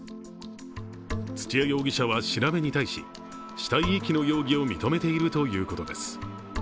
土屋容疑者は調べに対し、死体遺棄の容疑を認めているということです。